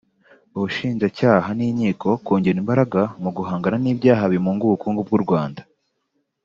ubushinjacyaha n’inkiko kongera imbaraga mu guhangana n’ibyaha bimunga ubukungu bw’u Rwanda